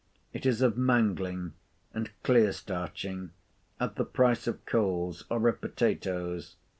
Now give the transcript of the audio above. It is of mangling and clear starching, of the price of coals, or of potatoes.